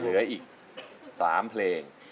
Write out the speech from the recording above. เหลืออีก๓เพลง